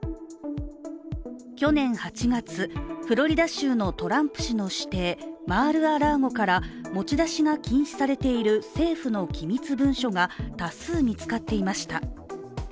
去年８月、フロリダ州のトランプ氏の私邸、マール・ア・ラーゴから持ち出しが禁止されている政府の機密文書が多数見つかっていました。